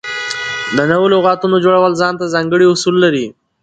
د نوو لغاتونو جوړول ځان ته ځانګړي اصول لري.